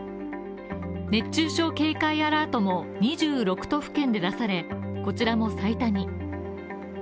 熱中症警戒アラートも２６都府県で出され、こちらも最多に。